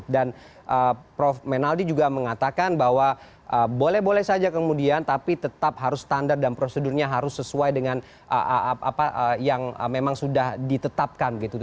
prof menaldi juga mengatakan bahwa boleh boleh saja kemudian tapi tetap harus standar dan prosedurnya harus sesuai dengan apa yang memang sudah ditetapkan gitu